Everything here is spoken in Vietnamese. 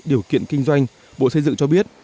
điều kiện kinh doanh bộ xây dựng cho biết